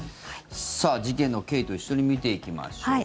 事件の経緯と一緒に見ていきましょう。